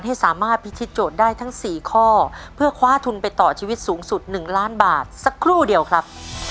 ให้สามารถพิธีโจทย์ได้ทั้ง๔ข้อเพื่อคว้าทุนไปต่อชีวิตสูงสุด๑ล้านบาทสักครู่เดียวครับ